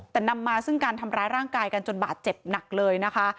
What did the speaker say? แต่นำมาซึ่งการทำร้ายร่างกายกันจนบาดเจ็บหนักเลยนะคะ